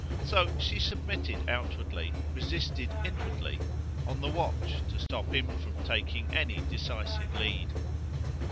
So she submitted outwardly, resisted inwardly, on the watch to stop him from taking any decisive lead.